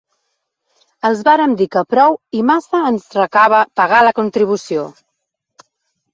Els vàrem dir que prou i massa ens recava pagar la contribució.